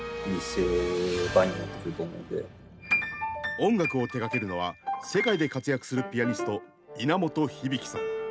音楽を手がけるのは世界で活躍するピアニスト稲本響さん。